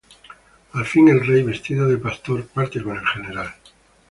Al fin el rey, vestido de pastor, parte con el general.